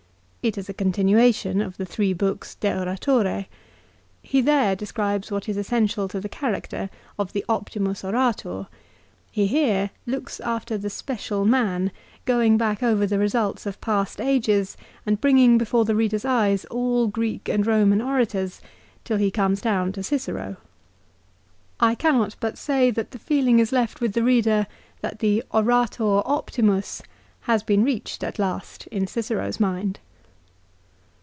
It is a continuation of the three books " De Oratore." He there describes what is essential to the character of the " Optimus Orator." He here looks after the special man, going back over the results of past ages, and bringing before the reader's eyes all Greek and Eoman orators, till he comes down to Cicero. I VOL. II. Y ' 322 LIFE OF CICERO. cannot but say that the feeling is left with the reader that the " Orator Optinms " has been reached at last in Cicero's mind.